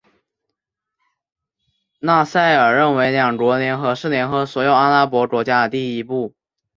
纳赛尔认为两国联合是联合所有阿拉伯国家的第一步。